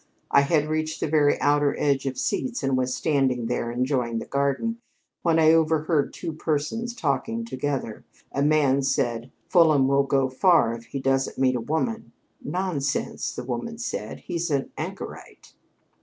I had reached the very outer edge of seats and was standing there enjoying the garden, when I overheard two persons talking together. A man said: 'Fulham will go far if he doesn't meet a woman.' 'Nonsense,' the woman said; 'he's an anchorite.'